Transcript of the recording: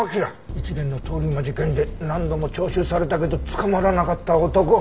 一連の通り魔事件で何度も聴取されたけど捕まらなかった男。